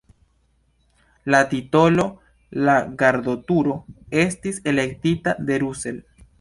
La titolo "La Gardoturo" estis elektita de Russell.